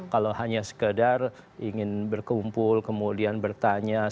kalau hanya sekedar ingin berkumpul kemudian bertanya sama teman teman